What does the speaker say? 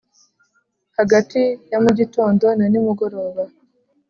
hagati ya mu gitondo na nimugoroba